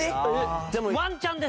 ワンチャンです。